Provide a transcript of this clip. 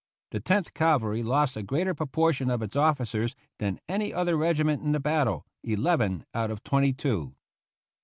The Tenth Cavalry lost a greater proportion of its officers than any other regiment in the battle — eleven out of twenty two.